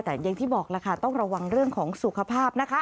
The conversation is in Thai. แต่อย่างที่บอกล่ะค่ะต้องระวังเรื่องของสุขภาพนะคะ